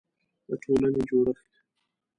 د ټولنې جوړښت